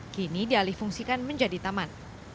kini dialih fungsikan menjadi taman